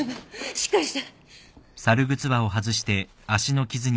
しっかりして。